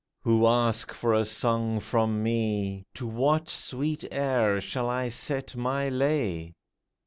Who ask for a song from me, To what sweet air shall I set my lay